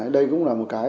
đây cũng là một cái